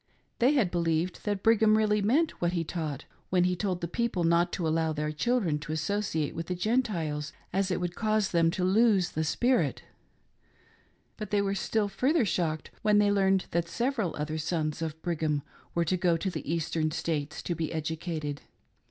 They had believed that Brigham really meant what he taught when he told the people not to allow their children to associate with the Gentiles, as it would cause them to lose " the spirit." But they were still further shocked when they learned that several other sons of Brigham were to go to the Eastern States to be educated.